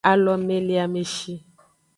Alomeleameshi.